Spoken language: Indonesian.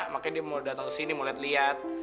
makanya dia mau datang kesini mau liat liat